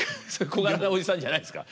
小柄なおじさんじゃないんですか？